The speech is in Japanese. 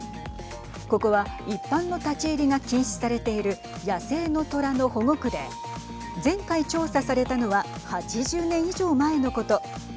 ここは一般の立ち入りが禁止されている野生の虎の保護区で前回調査されたのは８０年以上前のこと。